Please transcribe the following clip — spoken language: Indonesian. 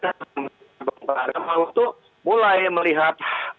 karena waktu itu mulai melihat keluarga perempuan sedang berpengaruh